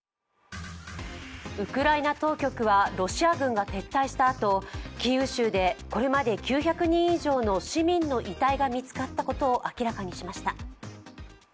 ウクライナ当局はロシア軍が撤退したあとキーウ州でこれまで９００人以上の市民の遺体が見つかったことを明らかにしました。